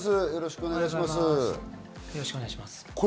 よろしくお願いします。